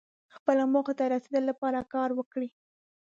خپلو موخو ته رسیدو لپاره کار وکړئ.